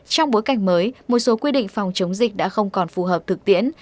trong bối cảnh mới một số quy định phòng chống dịch đã không còn phù hợp thực tiễn